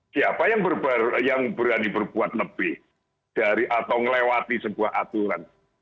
siapa yang berani berbuat lebih dari atau melewati sebuah aturan